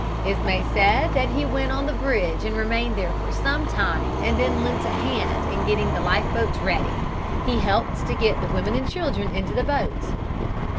Ismay said that he went on the bridge and remained there for some time and then lent a hand in getting the life boats ready. He helped to get the women and children into the boats.